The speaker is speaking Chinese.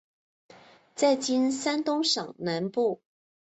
在今山东省南部。